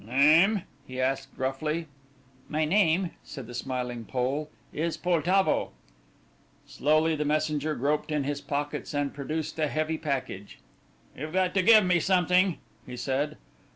"Name?" he asked gruffly. "My name," said the smiling Pole, "is Poltavo." Slowly the messenger groped in his pockets and produced a heavy package. "You've got to give me something," he said.